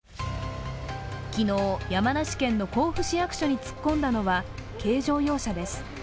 昨日、山梨県の甲府市役所に突っ込んだのは軽乗用車です。